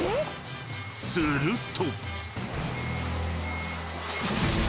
［すると］